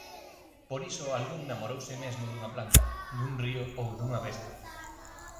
Por iso algún namorouse mesmo dunha planta, dun río ou dunha besta.